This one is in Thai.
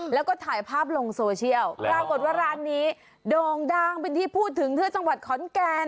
แล้วก็ถ่ายภาพลงโซเชียลปรากฏว่าร้านนี้โด่งดังเป็นที่พูดถึงที่จังหวัดขอนแก่น